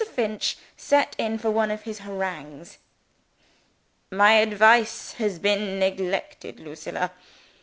Finch set in for one of his harangues. "My advice has been neglected, Lucilla.